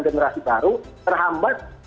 generasi baru terhambat